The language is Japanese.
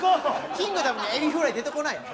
『キングダム』にエビフライ出てこない。